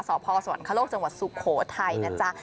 สวรรคโลกจังหวัดสุโขทัยนะจ๊ะ